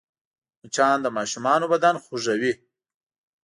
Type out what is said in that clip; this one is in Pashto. مچان د ماشومانو بدن خوږوي